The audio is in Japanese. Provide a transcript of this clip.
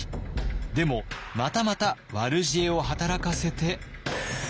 でもまたまた悪知恵を働かせて。